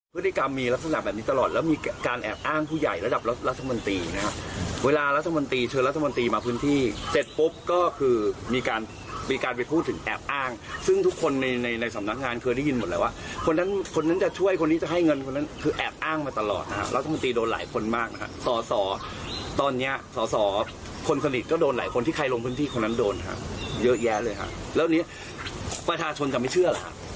เยอะแยะเลยครับแล้ววันนี้ประธาชนจะไม่เชื่อหรือครับ